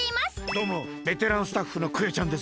どうもベテランスタッフのクヨちゃんです。